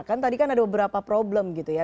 kan tadi kan ada beberapa problem gitu ya